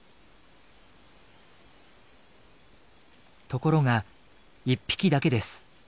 ところが１匹だけです。